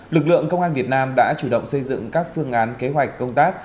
lực lượng công an việt nam đã chủ động xây dựng các phương án kế hoạch công tác